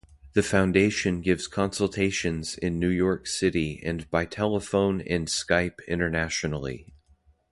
The Foundation gives consultations in New York City and by telephone and Skype internationally.